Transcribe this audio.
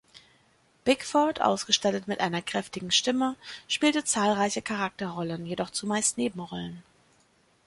Bickford, ausgestattet mit einer kräftigen Stimme, spielte zahlreiche Charakterrollen, jedoch zumeist Nebenrollen.